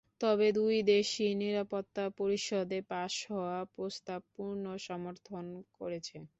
তবে দুই দেশই নিরাপত্তা পরিষদে পাস হওয়া প্রস্তাব পূর্ণ সমর্থন করেছে।